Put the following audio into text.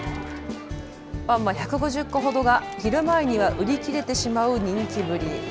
パンは１５０個ほどが昼前には売り切れてしまう人気ぶり。